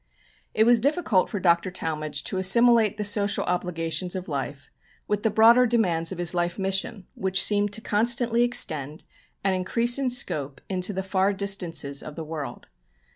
It was difficult for Dr. Talmage to assimilate the social obligations of life with the broader demands of his life mission, which seemed to constantly extend and increase in scope into the far distances of the world.